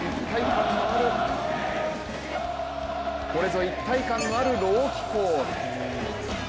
これぞ一体感のある、朗希コール。